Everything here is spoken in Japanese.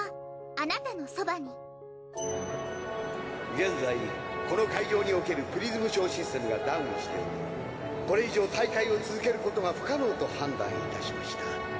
現在この会場におけるプリズムショーシステムがダウンしておりこれ以上大会を続けることは不可能と判断いたしました。